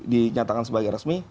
dinyatakan sebagai resmi